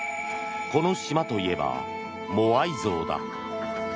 この島といえばモアイ像だ。